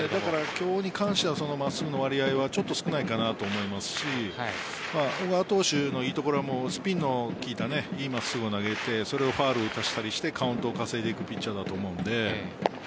今日に関しては真っすぐの割合は少ないかなと思いますし小川投手のいいところはスピンの利いたいい真っすぐを投げてそれをファウルを打たせてカウントを稼いでいくピッチャーだと思うので。